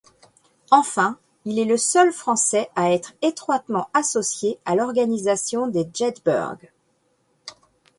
Enfin, il est le seul Français à être étroitement associé à l'organisation des Jedburgh.